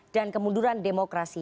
dan kemunduran demokrasi